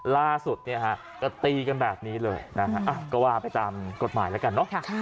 ล่าสุดก็ตีกันแบบนี้เลยนะฮะก็ว่าไปตามกฎหมายแล้วกันเนอะ